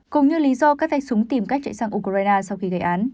cùng như lý do các tay súng tìm cách chạy sang ukraine sau khi gây án